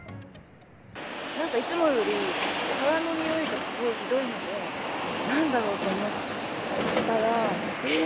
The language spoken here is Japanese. なんかいつもより川のにおいがすごいひどいので、なんだろうと思ってたら、えっ！